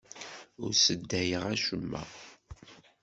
Ur sseddayeɣ acemma.